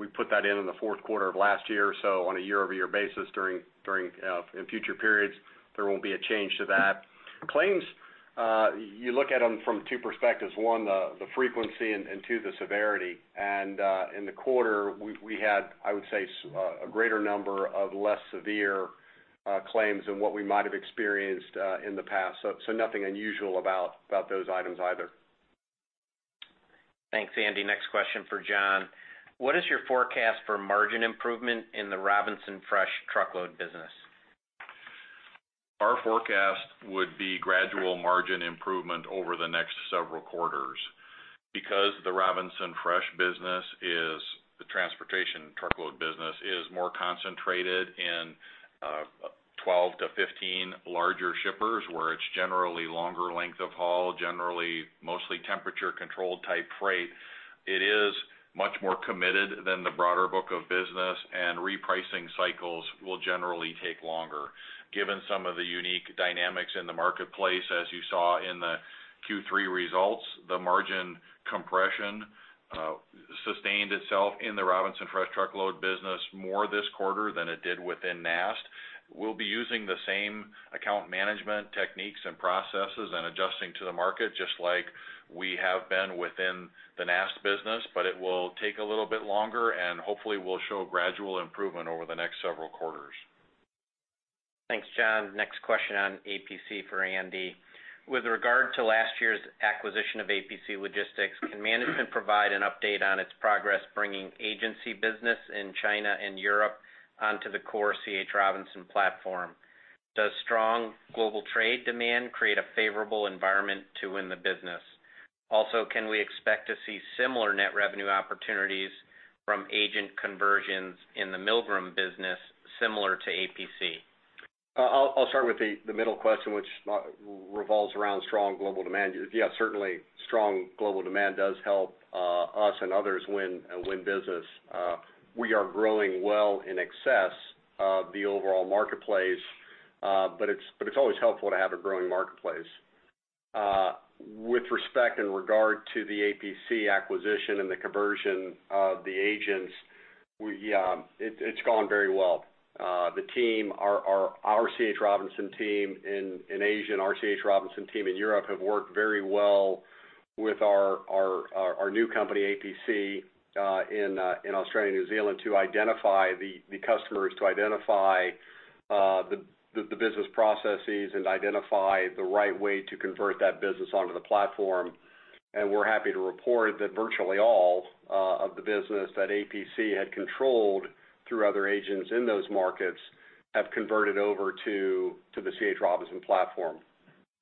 we put that in in the fourth quarter of last year. On a year-over-year basis in future periods, there won't be a change to that. Claims, you look at them from two perspectives. One, the frequency, and two, the severity. In the quarter, we had, I would say, a greater number of less severe claims than what we might have experienced in the past. Nothing unusual about those items either. Thanks, Andy. Next question for John. What is your forecast for margin improvement in the Robinson Fresh truckload business? Our forecast would be gradual margin improvement over the next several quarters. The Robinson Fresh business is the transportation truckload business, is more concentrated in 12 to 15 larger shippers, where it's generally longer length of haul, generally mostly temperature-controlled type freight. It is much more committed than the broader book of business, repricing cycles will generally take longer. Given some of the unique dynamics in the marketplace as you saw in the Q3 results, the margin compression sustained itself in the Robinson Fresh truckload business more this quarter than it did within NAST. We'll be using the same account management techniques and processes and adjusting to the market just like we have been within the NAST business, it will take a little bit longer, hopefully we'll show gradual improvement over the next several quarters. Thanks, John. Next question on APC for Andy. With regard to last year's acquisition of APC Logistics, can management provide an update on its progress bringing agency business in China and Europe onto the core C. H. Robinson platform? Does strong global trade demand create a favorable environment to win the business? Also, can we expect to see similar net revenue opportunities from agent conversions in the Milgram business similar to APC? I'll start with the middle question, which revolves around strong global demand. Yes, certainly strong global demand does help us and others win business. We are growing well in excess of the overall marketplace, but it's always helpful to have a growing marketplace. With respect in regard to the APC acquisition and the conversion of the agents, it's gone very well. Our C. H. Robinson team in Asia and our C. H. Robinson team in Europe have worked very well with our new company, APC, in Australia and New Zealand to identify the customers, to identify the business processes, and identify the right way to convert that business onto the platform. We're happy to report that virtually all of the business that APC had controlled through other agents in those markets have converted over to the C. H. Robinson platform.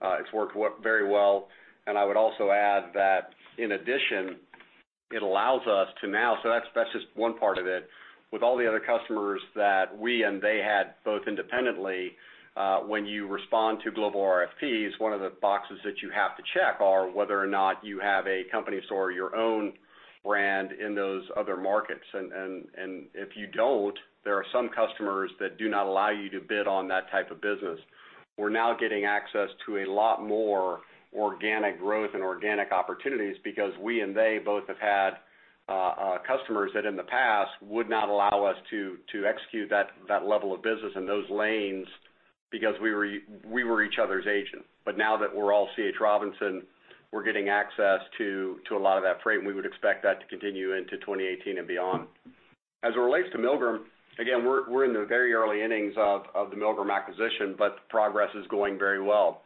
It's worked very well, and I would also add that in addition, it allows us to now. That's just one part of it. With all the other customers that we and they had both independently, when you respond to global RFPs, one of the boxes that you have to check are whether or not you have a company store or your own brand in those other markets. If you don't, there are some customers that do not allow you to bid on that type of business. We're now getting access to a lot more organic growth and organic opportunities because we and they both have had customers that in the past would not allow us to execute that level of business in those lanes because we were each other's agent. Now that we're all C. H. Robinson, we're getting access to a lot of that freight, and we would expect that to continue into 2018 and beyond. As it relates to Milgram, again, we're in the very early innings of the Milgram acquisition, but progress is going very well.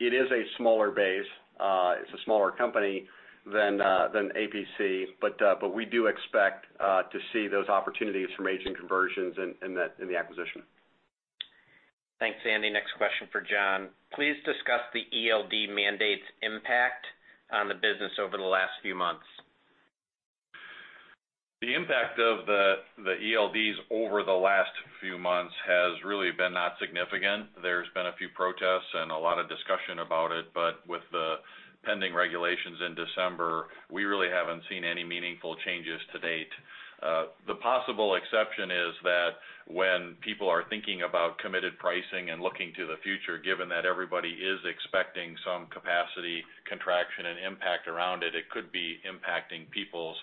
It is a smaller base. It's a smaller company than APC, but we do expect to see those opportunities from agent conversions in the acquisition. Thanks, Andy. Next question for John. Please discuss the ELD mandate's impact on the business over the last few months. The impact of the ELDs over the last few months has really been not significant. There's been a few protests and a lot of discussion about it, but with the pending regulations in December, we really haven't seen any meaningful changes to date. The possible exception is that when people are thinking about committed pricing and looking to the future, given that everybody is expecting some capacity contraction and impact around it could be impacting people's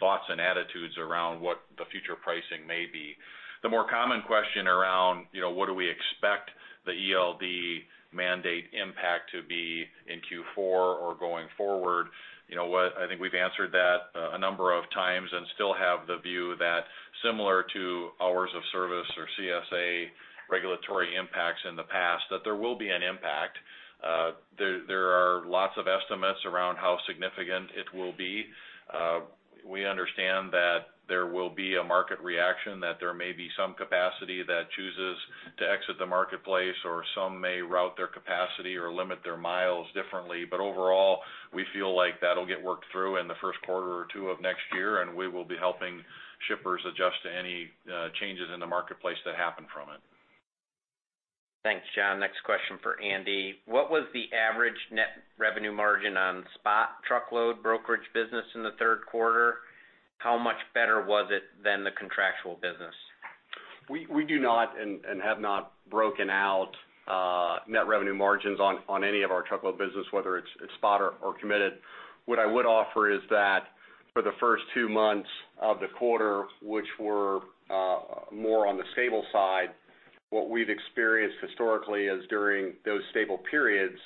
thoughts and attitudes around what the future pricing may be. The more common question around what do we expect the ELD mandate impact to be in Q4 or going forward, I think we've answered that a number of times and still have the view that similar to hours of service or CSA regulatory impacts in the past, that there will be an impact. There are lots of estimates around how significant it will be. We understand that there will be a market reaction, that there may be some capacity that chooses to exit the marketplace, or some may route their capacity or limit their miles differently. Overall, we feel like that'll get worked through in the first quarter or two of next year, and we will be helping shippers adjust to any changes in the marketplace that happen from it. Thanks, John. Next question for Andy. What was the average net revenue margin on spot truckload brokerage business in the third quarter? How much better was it than the contractual business? We do not and have not broken out net revenue margins on any of our truckload business, whether it's spot or committed. What I would offer is that for the first two months of the quarter, which were more on the stable side, what we've experienced historically is during those stable periods,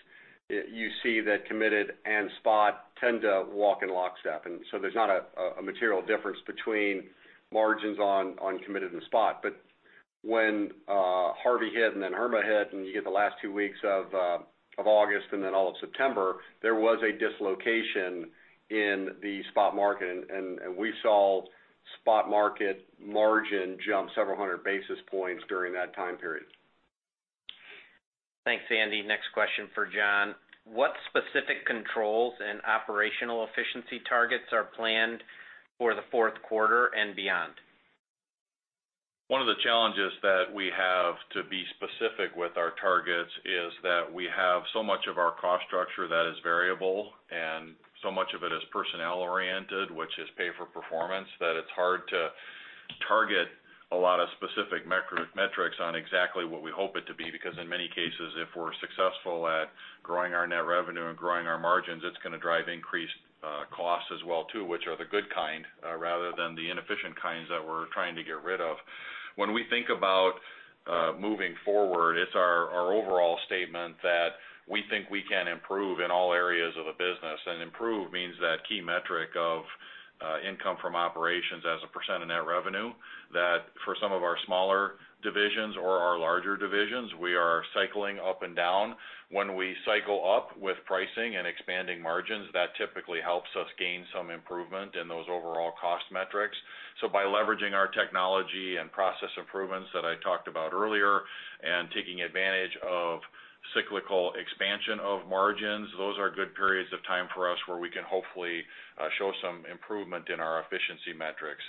you see that committed and spot tend to walk in lockstep. There's not a material difference between margins on committed and spot. When Hurricane Harvey hit and then Hurricane Irma hit, and you get the last two weeks of August and then all of September, there was a dislocation in the spot market, and we saw spot market margin jump several hundred basis points during that time period. Thanks, Andy. Next question for John. What specific controls and operational efficiency targets are planned for the fourth quarter and beyond? One of the challenges that we have to be specific with our targets is that we have so much of our cost structure that is variable, and so much of it is personnel-oriented, which is pay for performance, that it's hard to target a lot of specific metrics on exactly what we hope it to be, because in many cases, if we're successful at growing our net revenue and growing our margins, it's going to drive increased costs as well, too, which are the good kind, rather than the inefficient kinds that we're trying to get rid of. When we think about moving forward, it's our overall statement that we think we can improve in all areas of the business. Improve means that key metric of income from operations as a % of net revenue, that for some of our smaller divisions or our larger divisions, we are cycling up and down. When we cycle up with pricing and expanding margins, that typically helps us gain some improvement in those overall cost metrics. By leveraging our technology and process improvements that I talked about earlier, and taking advantage of cyclical expansion of margins, those are good periods of time for us where we can hopefully show some improvement in our efficiency metrics.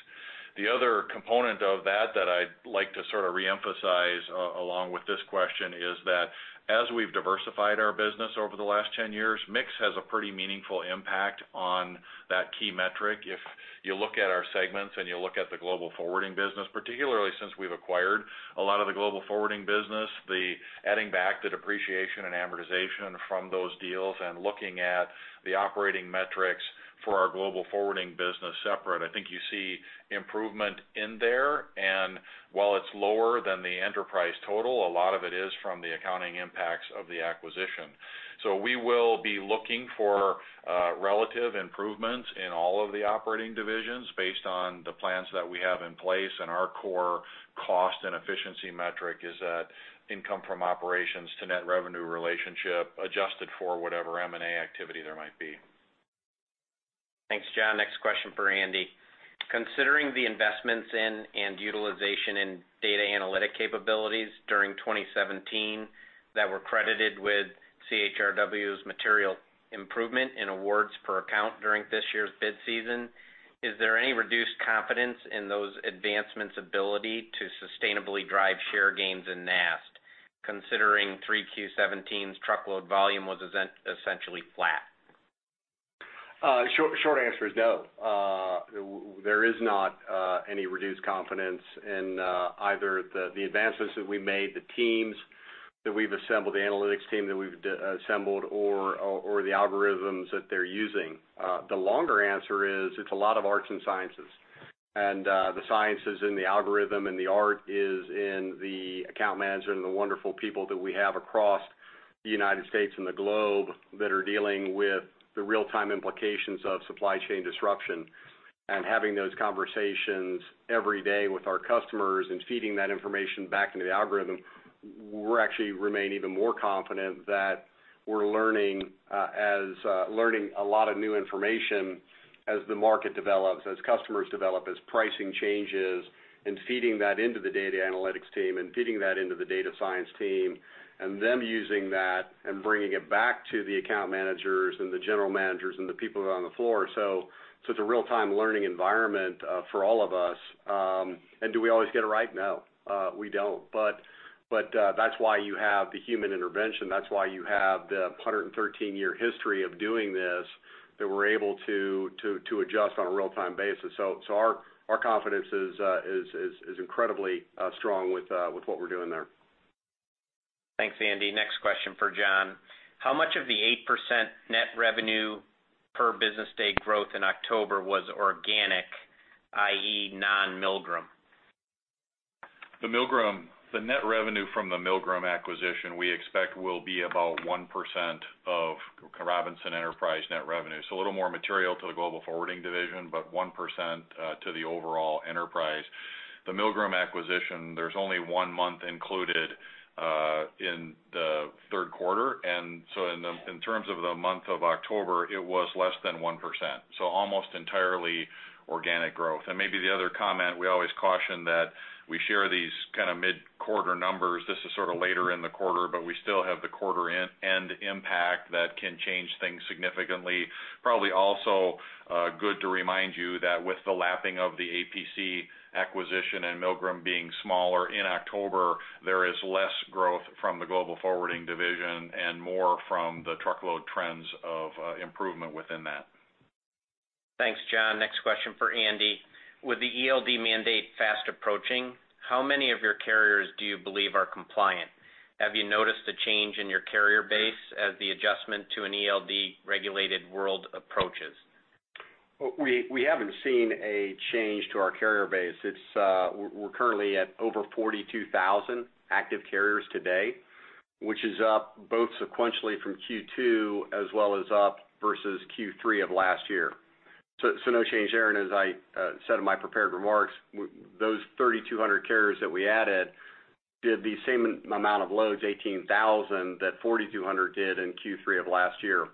The other component of that that I'd like to sort of reemphasize along with this question is that as we've diversified our business over the last 10 years, mix has a pretty meaningful impact on that key metric. If you look at our segments and you look at the global forwarding business, particularly since we've acquired a lot of the global forwarding business, the adding back the depreciation and amortization from those deals, and looking at the operating metrics for our global forwarding business separate, I think you see improvement in there. While it's lower than the enterprise total, a lot of it is from the accounting impacts of the acquisition. We will be looking for relative improvements in all of the operating divisions based on the plans that we have in place, and our core cost and efficiency metric is that income from operations to net revenue relationship, adjusted for whatever M&A activity there might be. Thanks, John. Next question for Andy. Considering the investments in and utilization in data analytic capabilities during 2017 that were credited with CHRW's material improvement in awards per account during this year's bid season, is there any reduced confidence in those advancements ability to sustainably drive share gains in NAST, considering 3Q17's truckload volume was essentially flat? Short answer is no. There is not any reduced confidence in either the advancements that we made, the teams that we've assembled, the analytics team that we've assembled, or the algorithms that they're using. The longer answer is, it's a lot of arts and sciences. The science is in the algorithm, and the art is in the account management and the wonderful people that we have across the U.S. and the globe that are dealing with the real-time implications of supply chain disruption. Having those conversations every day with our customers and feeding that information back into the algorithm, we actually remain even more confident that we're learning a lot of new information as the market develops, as customers develop, as pricing changes, and feeding that into the data analytics team and feeding that into the data science team, and them using that and bringing it back to the account managers and the general managers and the people who are on the floor. It's a real-time learning environment for all of us. Do we always get it right? No, we don't. That's why you have the human intervention. That's why you have the 113-year history of doing this, that we're able to adjust on a real-time basis. Our confidence is incredibly strong with what we're doing there. Thanks, Andy. Next question for John. How much of the 8% net revenue per business day growth in October was organic, i.e., non-Milgram? The net revenue from the Milgram acquisition, we expect will be about 1% of Robinson enterprise net revenue. A little more material to the global forwarding division, but 1% to the overall enterprise. The Milgram acquisition, there is only one month included in the third quarter. In terms of the month of October, it was less than 1%. Almost entirely organic growth. Maybe the other comment, we always caution that we share these kind of mid-quarter numbers. This is sort of later in the quarter, but we still have the quarter end impact that can change things significantly. Probably also good to remind you that with the lapping of the APC acquisition and Milgram being smaller in October, there is less growth from the global forwarding division and more from the truckload trends of improvement within that. Thanks, John. Next question for Andy. With the ELD mandate fast approaching, how many of your carriers do you believe are compliant? Have you noticed a change in your carrier base as the adjustment to an ELD regulated world approaches? We haven't seen a change to our carrier base. We are currently at over 42,000 active carriers today, which is up both sequentially from Q2 as well as up versus Q3 of last year. No change there. As I said in my prepared remarks, those 3,200 carriers that we added did the same amount of loads, 18,000, that 4,200 did in Q3 of last year.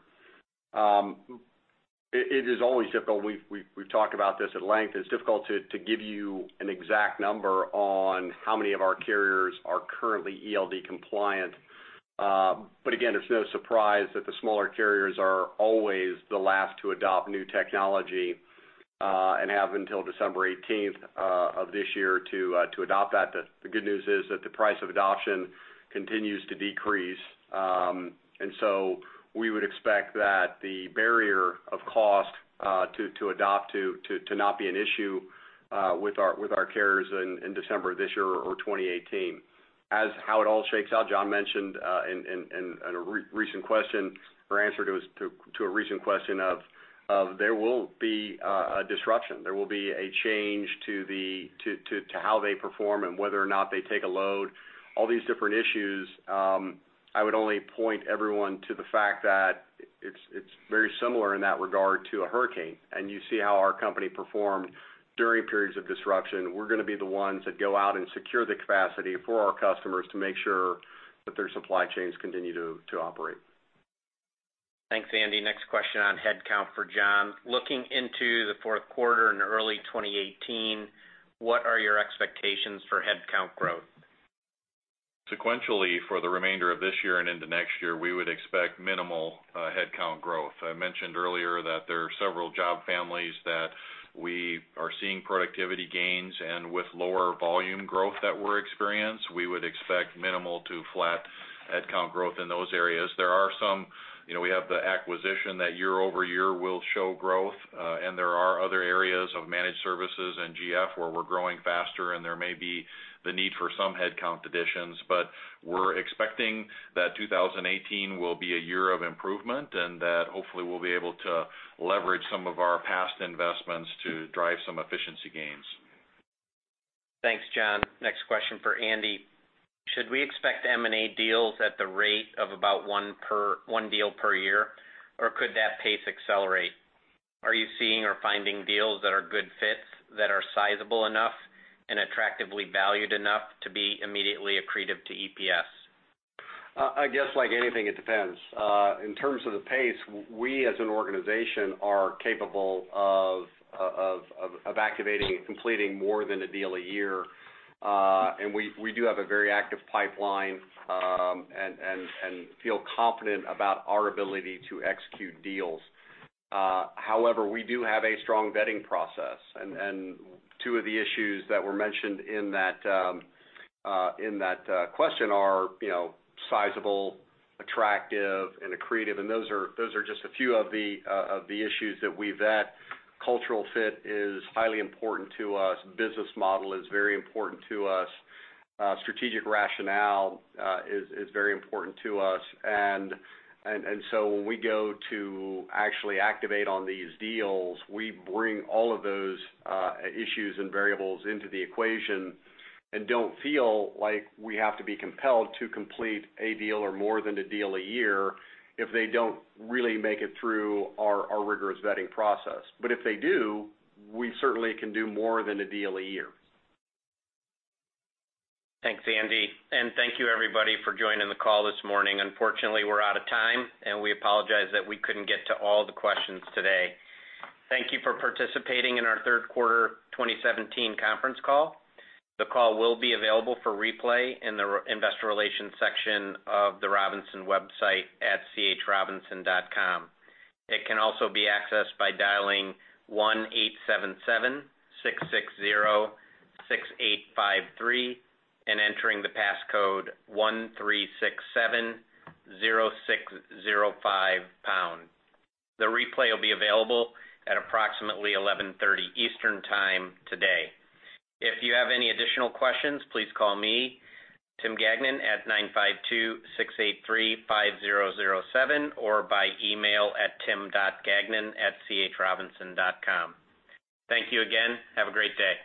It is always difficult. We have talked about this at length. It is difficult to give you an exact number on how many of our carriers are currently ELD compliant. But again, it is no surprise that the smaller carriers are always the last to adopt new technology, and have until December 18th of this year to adopt that. The good news is that the price of adoption continues to decrease. We would expect that the barrier of cost to adopt to not be an issue with our carriers in December of this year or 2018. As how it all shakes out, John mentioned in a recent question, or answer to a recent question of, there will be a disruption. There will be a change to how they perform and whether or not they take a load. All these different issues, I would only point everyone to the fact that it is very similar in that regard to a hurricane. You see how our company performed during periods of disruption. We are going to be the ones that go out and secure the capacity for our customers to make sure that their supply chains continue to operate. Thanks, Andy. Next question on headcount for John. Looking into the fourth quarter and early 2018, what are your expectations for headcount growth? Sequentially for the remainder of this year and into next year, we would expect minimal headcount growth. I mentioned earlier that there are several job families that we are seeing productivity gains, and with lower volume growth that we're experience, we would expect minimal to flat headcount growth in those areas. We have the acquisition that year-over-year will show growth, and there are other areas of managed services and GF where we're growing faster, and there may be the need for some headcount additions. We're expecting that 2018 will be a year of improvement, and that hopefully we'll be able to leverage some of our past investments to drive some efficiency gains. Thanks, John. Next question for Andy. Should we expect M&A deals at the rate of about one deal per year? Could that pace accelerate? Are you seeing or finding deals that are good fits, that are sizable enough and attractively valued enough to be immediately accretive to EPS? I guess like anything, it depends. In terms of the pace, we as an organization, are capable of activating and completing more than a deal a year. We do have a very active pipeline, and feel confident about our ability to execute deals. However, we do have a strong vetting process, and two of the issues that were mentioned in that question are sizable, attractive, and accretive, and those are just a few of the issues that we vet. Cultural fit is highly important to us. Business model is very important to us. Strategic rationale is very important to us. When we go to actually activate on these deals, we bring all of those issues and variables into the equation and don't feel like we have to be compelled to complete a deal or more than a deal a year if they don't really make it through our rigorous vetting process. If they do, we certainly can do more than a deal a year. Thanks, Andy. Thank you everybody for joining the call this morning. Unfortunately, we're out of time, and we apologize that we couldn't get to all the questions today. Thank you for participating in our third quarter 2017 conference call. The call will be available for replay in the investor relations section of the Robinson website at chrobinson.com. It can also be accessed by dialing 1-877-660-6853 and entering the passcode 13670605 pound. The replay will be available at approximately 11:30 Eastern Time today. If you have any additional questions, please call me, Tim Gagnon, at 952-683-5007 or by email at tim.gagnon@chrobinson.com. Thank you again. Have a great day